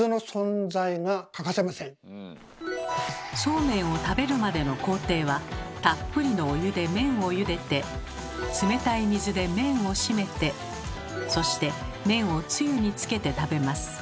そうめんを食べるまでの工程はたっぷりのお湯で麺をゆでて冷たい水で麺をしめてそして麺をつゆにつけて食べます。